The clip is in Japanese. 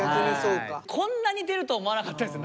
こんなに出ると思わなかったです